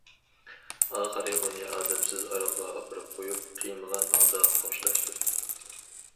ئاخىرى ئۇنى ئادەمسىز ئارالغا ئاپىرىپ قويۇپ، قىيمىغان ھالدا خوشلاشتىم.